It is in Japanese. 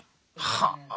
はあ。